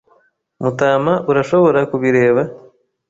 Matamaurashobora kubireba?